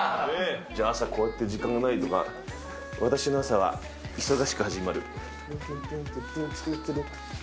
じゃあ、朝、こうやって時間ないときとか、私の朝は忙しく始まる。